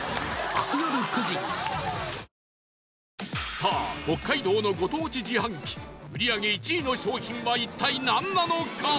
さあ北海道のご当地自販機売り上げ１位の商品は一体なんなのか？